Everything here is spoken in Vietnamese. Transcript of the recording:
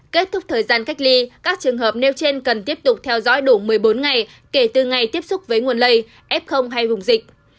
kết thúc thời gian cách ly các trường hợp nêu trên cần tiếp tục theo dõi đủ một mươi bốn ngày kể từ ngày tiếp xúc với nguồn lây f hay vùng dịch